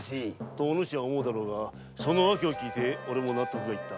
とお主は思うだろうが訳を聞いて納得がいった。